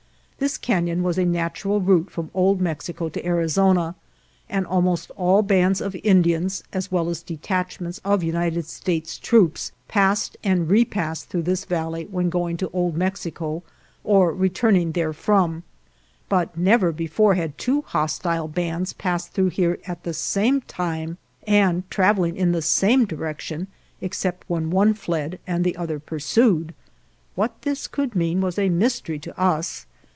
This canon was a nat ural route from Old Mexico to Arizona, and almost all bands of Indians, as well as detachments of United States troops, passed and repassed through this valley when go ing to Old Mexico or returning therefrom, but never before had two hostile bands passed through here at the same time and traveling in the same direction, except when one fled and the other pursued. What this could mean was a mystery to us.